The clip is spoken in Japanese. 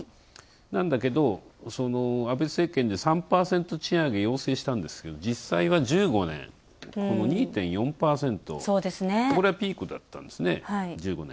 なんだけど、安倍政権で３％賃上げを要請したんですけど、実際は１５年２．４％これがピークだったんですね、１５年。